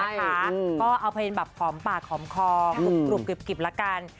ก็เอาเพราะเป็นแบบขอมปากขอมคอหกละกัน